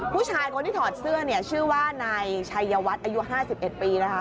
ผู้ชายคนที่ถอดเสื้อชื่อว่านายชัยยวัฒน์อายุ๕๑ปี